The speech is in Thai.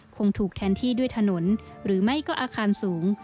คงถูกแทนที่ด้วยถนนหรือไม่ก็อาคารสูง